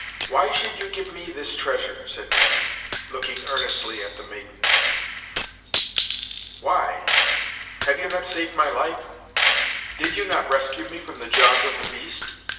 why should you give me this treasure!" said Natty, looking earnestly at the maiden. "Why! have you not saved my life? Did you not rescue me from the jaws of the beast?"